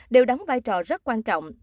đều đắn vai trò rất quan trọng